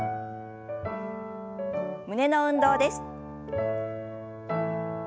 胸の運動です。